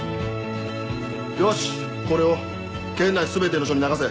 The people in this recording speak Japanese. よしこれを県内全ての署に流せ。